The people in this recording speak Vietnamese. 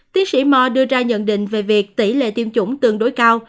tiến sĩ mor đưa ra nhận định về việc tỷ lệ tiêm chủng tương đối cao